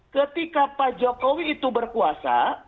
ketika pak jokowi itu berkuasa